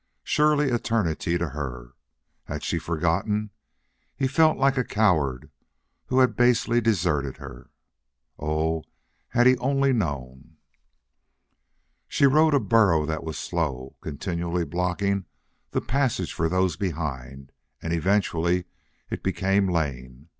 Surely eternity to her! Had she forgotten? He felt like a coward who had basely deserted her. Oh had he only known! She rode a burro that was slow, continually blocking the passage for those behind, and eventually it became lame.